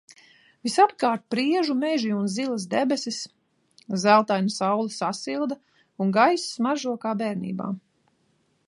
Visapkārt priežu meži un zilas debesis, zeltaina saule sasilda un gaiss smaržo kā bērnībā.